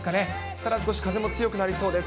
ただ少し風も強くなりそうです。